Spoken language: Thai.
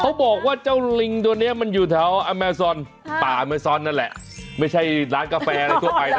เขาบอกว่าเจ้าลิงตัวเนี้ยมันอยู่แถวอเมซอนป่าแมซอนนั่นแหละไม่ใช่ร้านกาแฟอะไรทั่วไปนะ